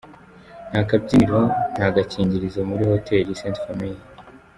Nta kabyiniro, nta gakingirizo muri Hotel Ste Famille”.